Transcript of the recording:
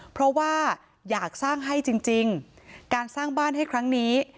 เพราะว่าอยากสร้างให้จริงการสร้างบ้านให้ครั้งนี้